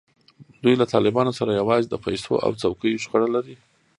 دوی له طالبانو سره یوازې د پیسو او څوکیو شخړه لري.